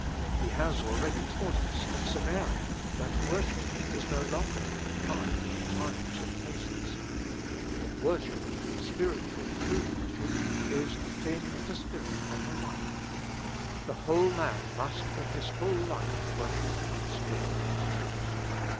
He has already taught us at Samaria that worship is no longer confined to times and places ; that worship, spiritual true worship, is a thing of the spirit and the life ; the whole man must in his whole life wor ship in spirit and truth.